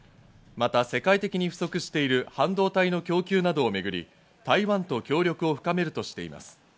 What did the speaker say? また世界的に不足している半導体の供給などをめぐり台湾と協力を深めるとしています。